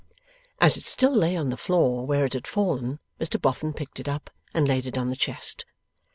As it still lay on the floor where it had fallen, Mr Boffin picked it up and laid it on the chest.